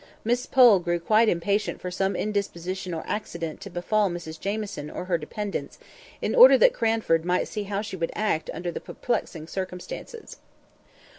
Miss Pole grew quite impatient for some indisposition or accident to befall Mrs Jamieson or her dependents, in order that Cranford might see how she would act under the perplexing circumstances.